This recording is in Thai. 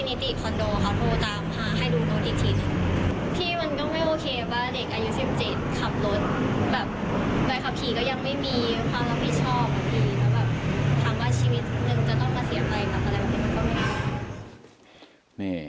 แล้วแบบถามว่าชีวิตทุกคนทั้งคู่จะต้องมาเสียผลักกับอะไรแบบนี้ไม่ได้